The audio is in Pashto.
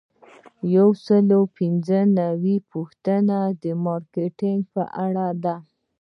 یو سل او پنځه نوي یمه پوښتنه د مارکیټینګ په اړه ده.